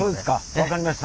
分かりました。